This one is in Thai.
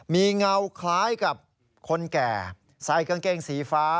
มีเงาคล้ายกับคนแก่ใส่กางเกงสีฟ้า